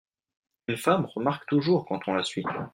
Une femme remarque toujours quand on la suit.